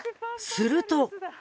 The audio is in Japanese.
すると。